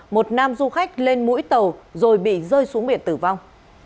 một nam du khách lên mũi tàu rồi bị rơi xuống biển tử vong